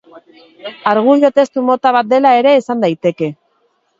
Argudio-testu mota bat dela ere esan daiteke.